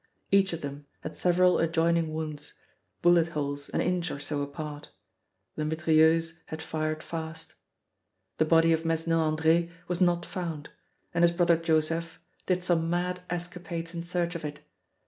Each of them had several adjoining wounds, bullet holes an inch or so apart the mitrailleuse had fired fast. The body of Mesnil Andre was not found, and his brother Joseph did some mad escapades in search of it.